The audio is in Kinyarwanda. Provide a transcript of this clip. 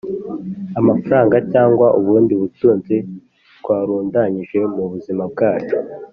amafaranga cyangwa ubundi butunzi twarundanyije mu buzima bwacu,